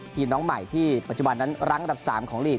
น้องใหม่ที่ปัจจุบันนั้นรั้งอันดับ๓ของลีก